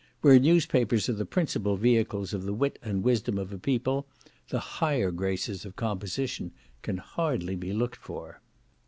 Where newspapers are the principal vehicles of the wit and wisdom of a people, the higher graces of composition can hardly be looked for.